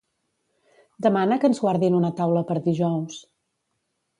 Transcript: Demana que ens guardin una taula per dijous.